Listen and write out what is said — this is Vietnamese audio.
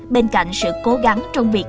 bên cạnh sự cố gắng trong việc